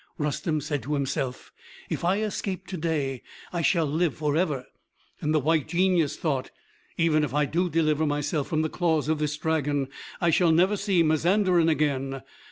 Rustem said to himself, "If I escape to day I shall live forever;" and the White Genius thought, "Even if I do deliver myself from the claws of this dragon, I shall never see Mazanderan again."